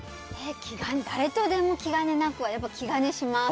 誰とでも気兼ねなくはやっぱり気兼ねします。